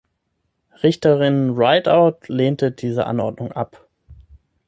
Richterin Rideout lehnte diese Anordnung ab.